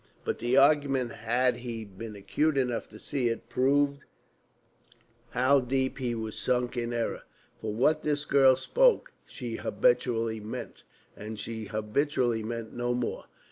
But the argument, had he been acute enough to see it, proved how deep he was sunk in error. For what this girl spoke, she habitually meant, and she habitually meant no more.